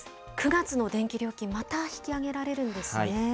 ９月の電気料金、また引き上げられるんですね。